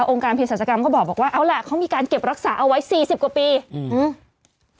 การเพศรัชกรรมก็บอกว่าเอาล่ะเขามีการเก็บรักษาเอาไว้สี่สิบกว่าปีอืม